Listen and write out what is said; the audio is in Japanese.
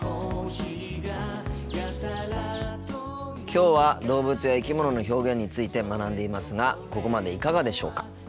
きょうは動物や生き物の表現について学んでいますがここまでいかがでしょうか。